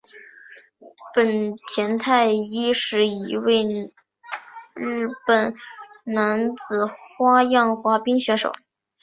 本田太一是一位日本男子花样滑冰选手。